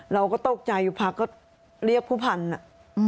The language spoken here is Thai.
เราก็ตกใจอยู่พักก็เรียกผู้พันธุ์อ่ะ